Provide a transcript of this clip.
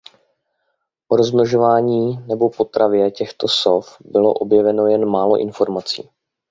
O rozmnožování nebo potravě těchto sov bylo objeveno jen málo informací.